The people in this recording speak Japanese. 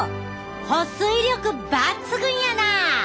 保水力抜群やな！